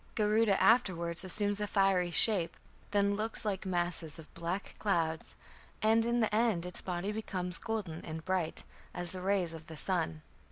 Garuda afterwards assumes a fiery shape, then looks "like masses of black clouds", and in the end its body becomes golden and bright "as the rays of the sun".